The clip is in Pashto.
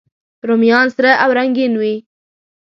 رومیان سره او رنګین وي